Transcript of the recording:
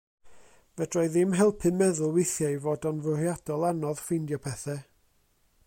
Fedra' i ddim helpu meddwl weithiau ei fod o'n fwriadol anodd ffeindio pethau.